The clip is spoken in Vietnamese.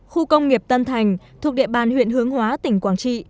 khu công nghiệp tân thành thuộc địa bàn huyện hướng hóa tỉnh quảng trị